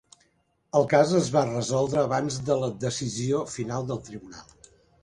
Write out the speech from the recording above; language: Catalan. El cas es va resoldre abans de la decisió final del tribunal.